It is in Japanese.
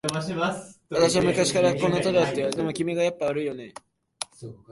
私は昔からこんな態度だったよ。